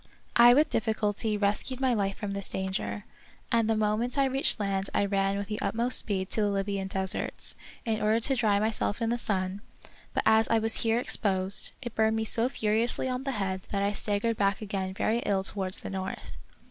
I with dif ficulty rescued my life from this danger, and the moment I reached land I ran with the ut most speed to the Libyan deserts, in order to dry myself in the sun ; but as I was here exposed, it burned me so furiously on the head that I staggered back again very ill towards the north.